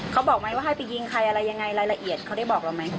เขาบอกไหมว่าให้ไปยิงใครอะไรยังไงรายละเอียดเขาได้บอกเราไหม